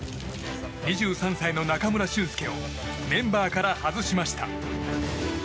２３歳の中村俊輔をメンバーから外しました。